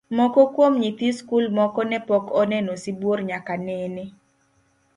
Moko kuom nyithi skul moko ne pok oneno sibuor nyaka nene.